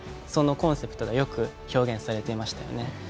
そのコンセプトがよく表現されていましたね。